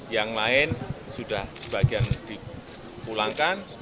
yang lain sudah sebagian dipulangkan